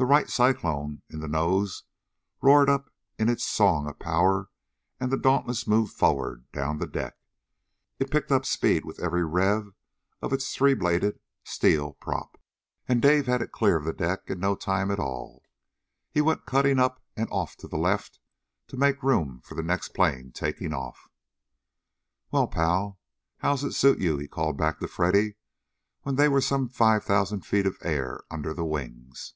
The Wright Cyclone in the nose roared up in its song of power and the Dauntless moved forward down the deck. It picked up speed with every rev of its three bladed steel prop, and Dave had it clear of the deck in no time at all. He went cutting up and off to the left to make room for the next plane taking off. "Well, pal, how's it suit you?" he called back to Freddy when there were some five thousand feet of air under the wings.